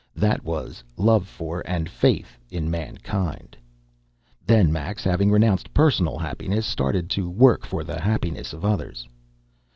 That was love for and faith in mankind. Then Max, having renounced personal happiness, started to work for the happiness of others.